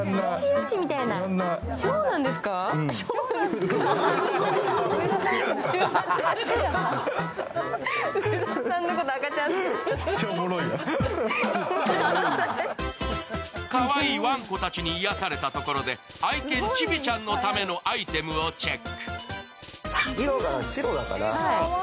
かわいいわんこたちに癒されたところで、愛犬・チビちゃんのためのアイテムをチェック。